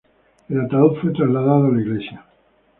El ataúd fue trasladado a la iglesia de St.